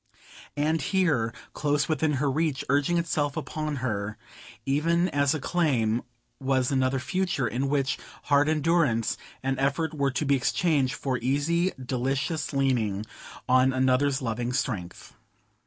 And here, close within her reach, urging itself upon her even as a claim, was another future, in which hard endurance and effort were to be exchanged for easy, delicious leaning on another's loving strength!